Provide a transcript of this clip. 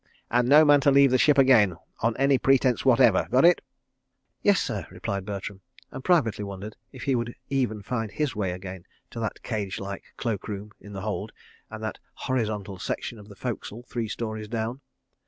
And no man to leave the ship again, on any pretence whatever. Got it?" "Yes, sir," replied Bertram, and privately wondered if he would even find his way again to that cage like cloak room in the hold, and that "horizontal section of the fo'c'sle three storeys down."